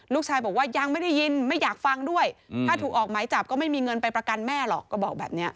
ลูกชายบอกว่ายังไม่ได้ยินไม่อยากฟังด้วยถ้าถูกออกหมายจับก็ไม่มีเงินไปประกันแม่หรอกก็บอกแบบนี้